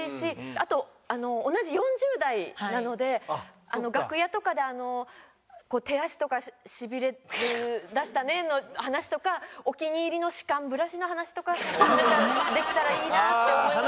あと同じ４０代なので楽屋とかで「手足とかしびれだしたね」の話とかお気に入りの歯間ブラシの話とかできたらいいなって思いまして。